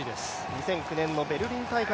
２００９年のベルギー大会。